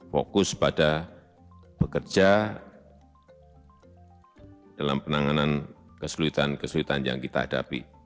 fokus pada bekerja dalam penanganan kesulitan kesulitan yang kita hadapi